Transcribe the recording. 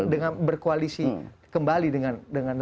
dengan berkoalisi kembali dengan